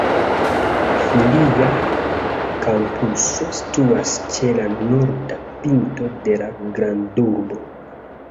Filia kampuso situas ĉe la norda pinto de la grandurbo.